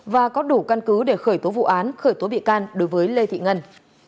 và có đủ căn cứ để khởi tố vụ án khởi tố bị can đối với lê thị ngân